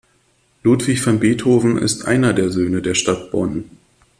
Ludwig van Beethoven ist einer der Söhne der Stadt Bonn.